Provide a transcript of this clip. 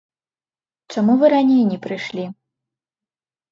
Чаму вы раней не прыйшлі?